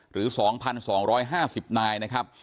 หรือ๒๒๕๐นายนะครับ